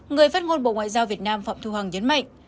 người phát ngôn bộ ngoại giao việt nam phạm thu hằng nhấn mạnh